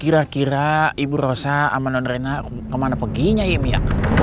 kira kira ibu rosa sama non rena kemana peginya im ya